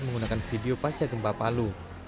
menggunakan video pasca gempa palu